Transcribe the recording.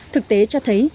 thực tế cho thấy